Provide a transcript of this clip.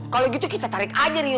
kalau gitu kita tarik aja nih